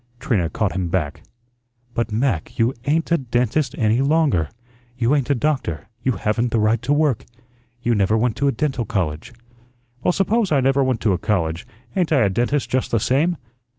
Trina caught him back. "But, Mac, you ain't a dentist any longer; you ain't a doctor. You haven't the right to work. You never went to a dental college." "Well, suppose I never went to a college, ain't I a dentist just the same?